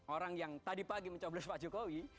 orang yang tadi pagi mencoblos pak jokowi